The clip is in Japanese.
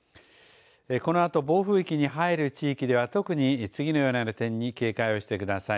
このあと暴風域に入る地域では特に次のような点に警戒をしてください。